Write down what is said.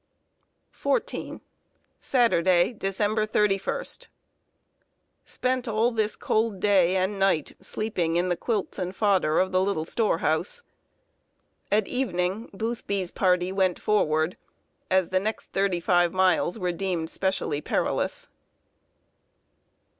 XIV. Saturday, December 31. Spent all this cold day and night sleeping in the quilts and fodder of the little store house. At evening, Boothby's party went forward, as the next thirty five miles were deemed specially perilous.